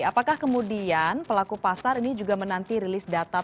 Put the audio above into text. apakah kemudian pelaku pasar ini juga menanti rilis data